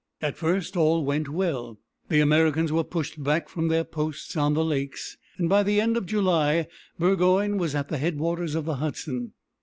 At first all went well. The Americans were pushed back from their posts on the lakes, and by the end of July Burgoyne was at the head waters of the Hudson.